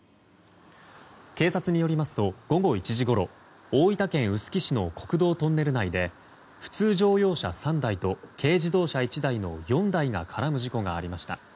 警察によりますと午後１時ごろ大分県臼杵市の国道トンネル内で普通乗用車３台と軽自動車１台の４台が絡む事故がありました。